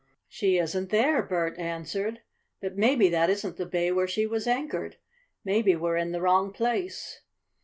"She isn't there," Bert answered. "But maybe that isn't the bay where she was anchored. Maybe we're in the wrong place."